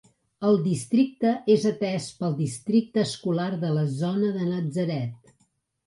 El districte és atès pel districte escolar de la zona de Natzaret.